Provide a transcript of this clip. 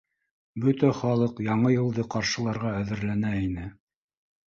Бөтә халыҡ Яңы йылды ҡаршыларға әҙерләнә ине.